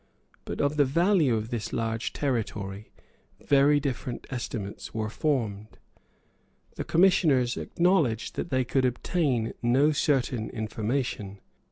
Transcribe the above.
But of the value of this large territory very different estimates were formed. The commissioners acknowledged that they could obtain no certain information.